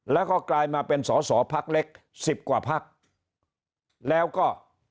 แล้วก็กลายมาเป็นสอสอพักเล็กสิบกว่าพักแล้วก็